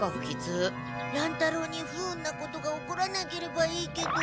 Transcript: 乱太郎に不運なことが起こらなければいいけど。